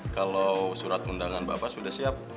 kalau surat undangan bapak sudah siap